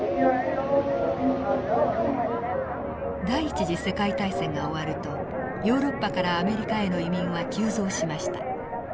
第一次世界大戦が終わるとヨーロッパからアメリカへの移民は急増しました。